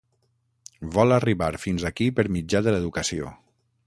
Vol arribar fins aquí per mitjà de l'educació.